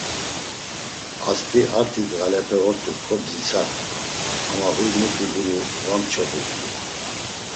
Ast̆i arti ndğalepe ort̆uǩo bzitsart̆u, ama huy muti guri va mçodurt̆u.